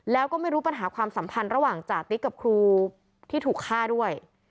แล้วก็ไม่รู้ปัญหาความสัมพันธ์ระหว่างจาติ๊กกับครูที่ถูกฆ่าด้วย